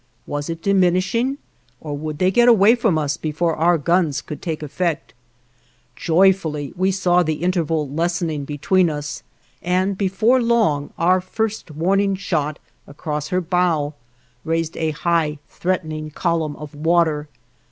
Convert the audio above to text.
Was it diminishing? Or would they get away from us before our guns could take effect? Joyfully we saw the interval lessening between us, and before long our first warning shot, across her bow, raised a high, threatening column of water.